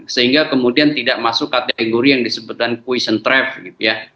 sehingga kemudian tidak masuk kategori yang disebutkan quiz and trap gitu ya